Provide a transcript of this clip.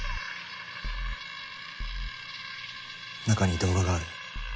中に動画がある。